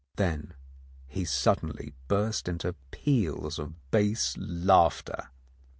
Then he suddenly burst into peals of bass laughter.